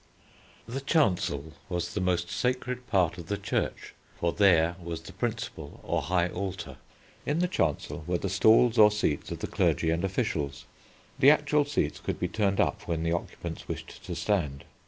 The Chancel was the most sacred part of the church, for there was the principal or high altar. In the Chancel were the stalls or seats of the clergy and officials. The actual seats could be turned up when the occupants wished to stand.